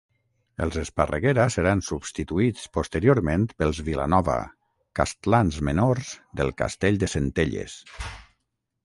Els Esparreguera seran substituïts posteriorment pels Vilanova, castlans menors del castell de Centelles.